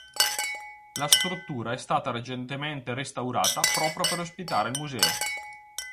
La struttura è stata recentemente restaurata proprio per ospitare il museo.